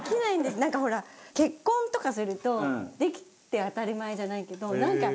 なんかほら結婚とかするとできて当たり前じゃないけどなんか。